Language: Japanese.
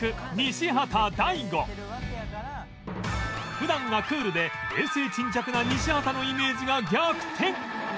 普段はクールで冷静沈着な西畑のイメージが逆転